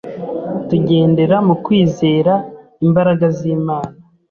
tugendera mu kwizera imbaraga z'Imana